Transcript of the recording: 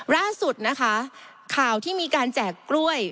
ล่าสุดนะคะข่าวที่มีการแจกกล้วย